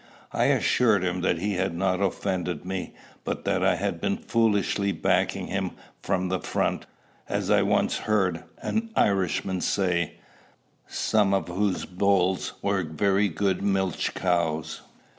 I assured him that he had not offended me, but that I had been foolishly backing him from the front, as I once heard an Irishman say, some of whose bulls were very good milch cows.